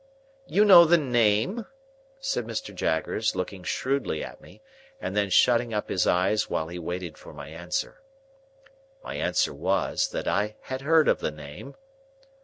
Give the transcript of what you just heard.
"You know the name?" said Mr. Jaggers, looking shrewdly at me, and then shutting up his eyes while he waited for my answer. My answer was, that I had heard of the name.